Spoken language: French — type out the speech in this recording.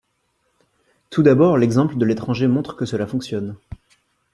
Tout d’abord, l’exemple de l’étranger montre que cela fonctionne.